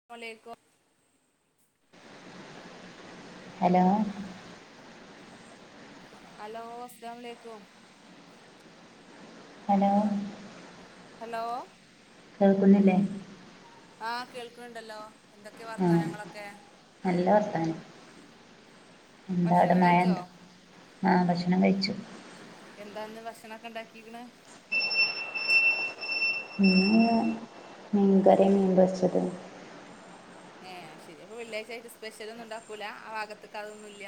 [unintelligible] Hello hello അസ്സലാമുഅലൈക്കും hello hello കേൾക്കുന്നില്ലെ ആ കേൾക്ക്ണ് ണ്ടല്ലോ എന്തൊക്കെ ആ വർത്താനങ്ങളൊക്കെ നല്ല വർത്താനം എന്താ അവിടെ ഭക്ഷണം കഴിച്ചോ മഴണ്ടോ ആ ഭക്ഷണം കഴിച്ചു എന്താന്ന് ഭക്ഷണൊക്കെ ഉണ്ടാക്കിക്ക്ണെ ഇന്ന് മീൻകറിം മീൻപൊരിച്ചതേനി ഏ ശരി അപ്പൊ വെള്ളിയാഴ്ചായിട്ട് സ്പെഷ്യലൊന്നും ഉണ്ടാക്കൂല ആ ഭാഗത്തക്ക് അതൊന്നുമ ഇല്ല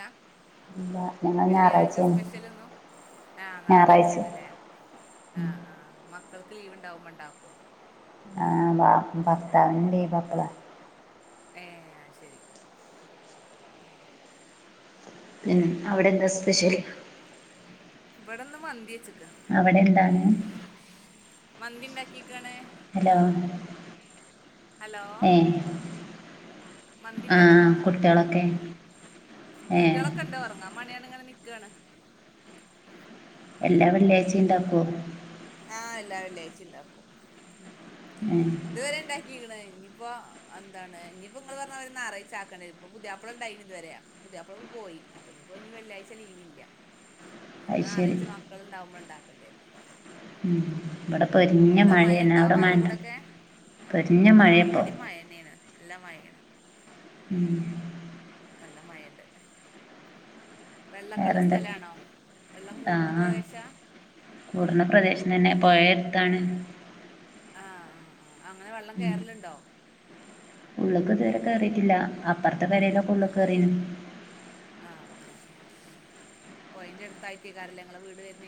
എന്താ ഞങ്ങൾ വെള്ളിയാഴ്ച ഞായറാഴ്ചയാണ് സ്പെഷ്യലൊന്നു ആ ഞായറാഴ്ച ഞായറാഴ്ചേണല്ലേ ആ ഉം. ആ മക്കൾക്ക് ലീവ് ഉണ്ടാവുമ്പോ ഉണ്ടാക്കും ആ ഭർത്താവിന് ലീവ് അപ്പള ഏ അയ്ശരി പിന്നെ അവിടെന്താ സ്പെഷ്യല് ഇവിടെന്ന് മന്തി വെച്ചക്കാ അവിടെ എന്താണ് മന്തി ണ്ടാക്കിക്കാണ് ഹലോ ഹലോ ഏ മന്തി ആ ണ്ടാക്കിക്കുണു കുട്ടികളൊക്കെ ഏ കുട്ടികളൊക്കെ ഉണ്ട് ഒറങ്ങാമാണ്ടിയാട് ഇങ്ങനെ നിക്കാണ് എല്ലാ വെള്ളിയാഴ്ച്ചിം ഉണ്ടാക്കോ ആ എല്ലാ വെള്ളിയാഴചിം ഉണ്ടാക്കും ഉം ഇതുവരെ ഉണ്ടാക്കിണ് ഇനിയിപ്പോ എന്താണ് ഇനിയിപ്പോ നിങ്ങൾ പറഞ്ഞ മിതിരി ഞായറാഴ്ച ആക്കണ്ടി വരും പുതിയാപ്പള ഉണ്ടായിനി ഇതുവരെ പുതിയാപ്പള പ്പൊ പോയി അപ്പൊ ഇനിയിപ്പോ ഇനി വെള്ളിയാഴ്ച ലീവല്ല ഇനിയിപ്പം അത് ശരി ഞായറാഴ്ച്ച മക്കളള്ണ്ടാവുമ്പോ ഉണ്ടാക്കണ്ടിരും ഉം ഇവിടെ പൊരിഞ്ഞ എന്താ മഴ മഴയാണ് ഉണ്ടോ അവിടെ മഴണ്ടോ ആ ആ ഇവടിം മഴന്നേണ് നല്ല മഴേണ് ഉം നല്ല മഴണ്ട് വെള്ളക്കള്ള വേറെന്താ സ്ഥലാണോ വെള്ളം മൂട്ണ പ്രദേശാ കൂട്ണ പ്രദേശം തന്നെ പുഴ അടുത്താണ് ആ ആ ആ അങ്ങനെ വെള്ളം ഉം കേറല്ണ്ടോ ഉള്ള്ക്ക് ഇതുവരെ കേറിയിട്ടില്ല അപ്പർത്തെ പെരേലൊക്കെ ഉള്ള്ക്ക് കേറീക്ണ് ആ ആ ആ ആ പൊയന്റെ അടുത്തായിറട്ടേക്കാരല്ലേ നിങ്ങളെ വീട് വരുന്ന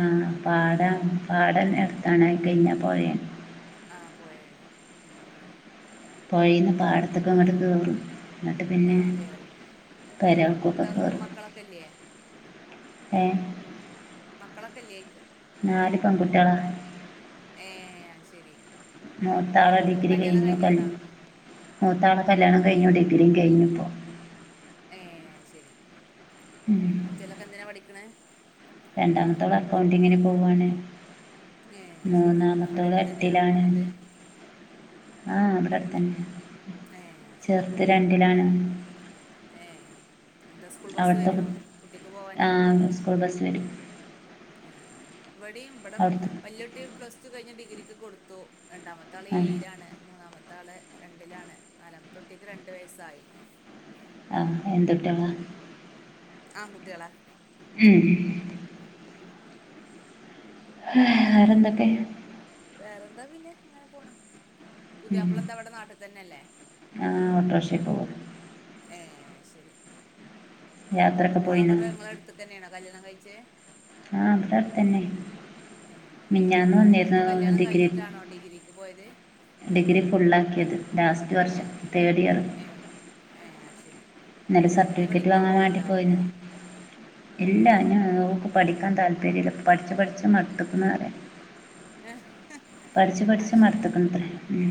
ആ പാടാ പാടന്നെ എടുത്താണാ അത് കയിഞ്ഞ പൊയേ ആ പൊയേണ് ഉം ഉം പൊയീന്ന് പാടത്ത്ക്കങ്ങട്ട് കേറും എന്നിട്ട് പിന്നെ ആ കേറും പെരൾക്കൊക്കെ കയറും ഇല്യ ഏഹ് മക്കളൊക്കെല്ലേയ്ക്ക നാല് പെൺങ്കുട്ടികളാ ഏ അയ്ശരി മൂത്താളെ ഡിഗ്രി കഴിഞ്ഞു കല് മൂത്താള കല്യാണം കഴിഞ്ഞു ഡിഗ്രിം കഴിഞ്ഞു പ്പം ഏ അത്ശെരി ഉം മറ്റോലൊക്കെ എന്തിനാ പഠിക്ക്ണെ രണ്ടാമത്തോള് അക്കൗണ്ടിങ്ങ്ന് പോവയാണ് ഏ അത് ശരി അവിടെ മൂന്നാമത്തോള് അടുത്തന്നേണോ എട്ടിലാണ് പോണത് ആഹ് വിടെടത്ത്തന്നെ ഏ അഹ് ശരി ത് രണ്ടിലാണ് ഏ എന്താ സ്കൂൾ ബസ്സ് അവിടുത്തെ കു വരോ കുട്ടിക്ക് പോവാൻ? ആ ബസ് വരും ആ ഇവിടിം ഇവിടെ അവിടുത്തെ വല്ല്യട്ടി പ്ലസ് ടു കഴിഞ്ഞ ഡിഗ്രിക്ക് കൊടുത്തു രണ്ടാമത്തെ ത്ത ആൾ ആ ഏഴിലാണ് മൂന്നാമത്തെ ആൾ രണ്ടിലാണ് നാലാമതുട്ടിക്ക് രണ്ട് വയസ്സായി ആഹ് എന്തുട്ടാണ് ആഹ് കുട്ടികളാ ഉം വേറെന്തൊക്കെ വേറെന്താ പിന്നെ അങ്ങനെ പോണ് പുതിയാപ്പള ന്തവിടെ നാട്ടിൽ തന്നെല്ലേ ആ ഓട്ടോറിക്ഷയിൽ പോകും ഏ ശരി യാത്രയൊക്കെ പോയിനോ മോളങ്ങളട് ത്ക്കെന്നെന്നോ കല്യാണം കഴിച്ച ആഹ് ബ്ടാ അടുത്തന്നെ ഏ ശരി ന്നിട്ട് കല്ല്യാണം ഡിഗ്രി കഴിഞ്ഞിട്ടാണോ ഡിഗ്രിക്ക് പോയത്? ഡിഗ്രി ഫുള്ളാക്കിയത് ലാസ്റ്റ് ആ വർഷം ആ തേർഡ് ഇയർ ഏ ഏ അത് ശരി ന്നാല ഇനി സർട്ടിഫിക്കറ്റ് പഠിക്കാൻ വാങ്ങാൻ വേണ്ടി പോവുണ്ടോ പോയിന്ന് എല്ല ഞാൻ നുക്ക് പഠിക്കാൻ താല്പര്യമില്ല പഠിച്ച് പഠിച്ച് മടുതുക്കുന്നു പറയാ ഏഹ് പഠിച്ചു പഠിച്ച് മട്ത്തുക്കണത്രേ ഉം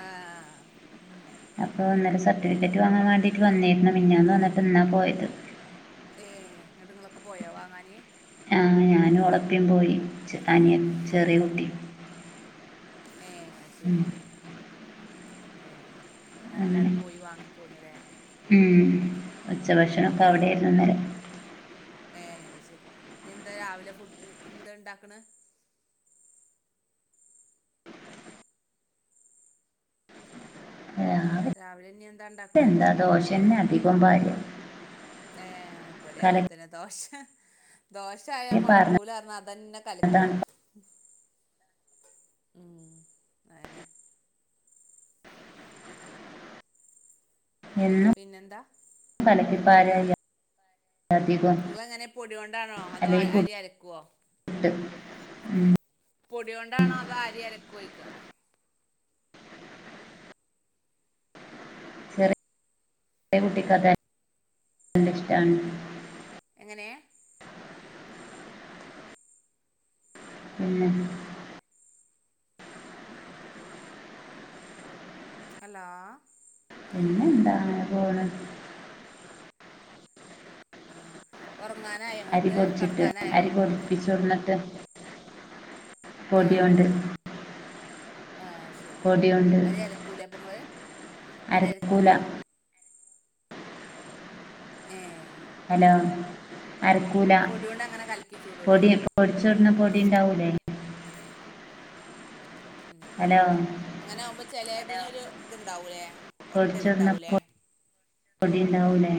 ആഹ് ഉം അപ്പൊ ഇന്നരം സർട്ടിഫിക്കറ്റ് വാങ്ങാൻ വേണ്ടിട്ട് വന്നേരുന്നു മിഞ്ഞാന്ന് വന്നിട്ട് ഇന്നാ പോയത് ഏയ് എന്നിട്ട് ഇങ്ങളൊക്കെ പോയാ വാങ്ങാൻ ആഹ് ഞാനും ഓള പ്പി പോയി അനിയ ചെറിയ ഏ കുട്ടി ഏ അത് ശരി ഉം ഏ അങ്ങനെ എല്ലാരും പോയി വാങ്ങിപ്പോകുന്നുല്ലേ ഉം ഉച്ചഭക്ഷണക്കെ അവിടെയായിരുന്നു ഇന്നലെ ഏയ് ശരി ഇനി എന്താ രാവിലെ ഫുഡ് ന്താ ഉണ്ടാക്കണ രാവിലെ ഇനി എന്താ രാവിലെന്താ ഉണ്ടാക്കണോയ്ക്ക ദോശന്നെ അധികം പാര്യാ ഏ ബടെ അങ്ങനതന്നെ ദോശ ദോശായ മടുക്കൂലാ റഞാ അതന്നെ കലക്കും പാർന്നതാണ് ഉം അതെന്നെ [inaudible] എന്ന് പിന്നെന്താ കലക്കിപ്പാരല്ല ഇങ്ങളെങ്ങനെ പൊടി കൊണ്ടാണോ അതോ അല്ലെങ്കി അരി അരക്കുവോ [unintelligible] ഉം പൊടി കൊണ്ടാണോ അതൊ അരി അരക്കോ ഓയിക്ക [unintelligible] നല്ല ഇഷ്ടാണ് എങ്ങനെ ഉം ഹലോ പിന്നെന്താണ് പോണ് ആഹ് ഉറങ്ങാനായോ അരി ഇങ്ങക്ക് പൊടിച്ചിട്ട് കെടക്കാനായോ [unintelligible] ആഹ് കൊണ്ട് ആഹ് ആഹ് അഹ് ശരി പൊടി കൊണ്ട് അത് ക്കൂലേപ്പങ്ങൾ അരി അരക്കൂല അരക്കൂല്ലേ ഏഹ് ഹലോ അരക്കൂല പൊടിയോണ്ട് അങ്ങനെ കലക്കി ചൂടൂലേ പൊടി പൊടിക്കുന്ന പൊടി ഉണ്ടാവൂല്ലേ ഉം ഉം ഹലോ അങ്ങനെ ആകുമ്പോ ചിലടന ഒരു ഇതുണ്ടാവൂല്ലേ കൊടി ചൂർണ പൊ പൊടി ണ്ടാവൂലെ.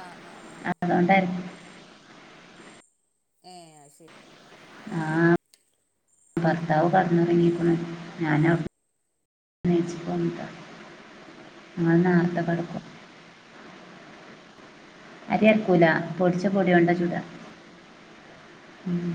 ആഹ് ആഹ് ആഹ് അഹ് അതുകൊണ്ടായിരുന്നു ഏ ശരി ആഹ് ഭർത്താവ് കിടന്നുറഗിക്കാന് ഞാനവി നീചിട്ടേന്താ ഞങള് നാർത്ത കടക്കും. അരി അറക്കൂല പൊടിച്ച പൊടി കൊണ്ട ചൂടാ ഉം